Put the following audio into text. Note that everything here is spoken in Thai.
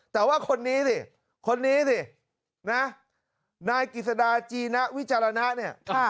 แต่ว่าคนนี้สิคนนี้สินะนายกิจสดาจีนะวิจารณะเนี่ย